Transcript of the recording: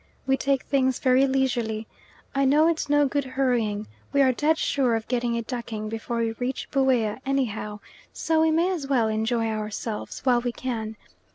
We take things very leisurely. I know it's no good hurrying, we are dead sure of getting a ducking before we reach Buea anyhow, so we may as well enjoy ourselves while we can.